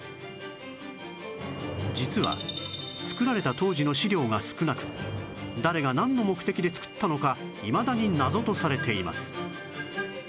実は造られた当時の史料が少なく誰がなんの目的で造ったのかいまだに謎とされています